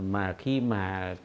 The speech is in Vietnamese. mà khi mà